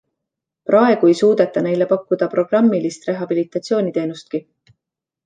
Praegu ei suudeta neile pakkuda programmilist rehabilitatsiooniteenustki.